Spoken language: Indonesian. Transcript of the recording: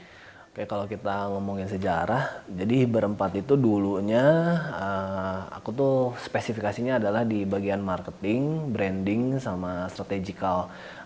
oke kalau kita ngomongin sejarah jadi berempat itu dulunya aku tuh spesifikasinya adalah di bagian marketing branding sama strategical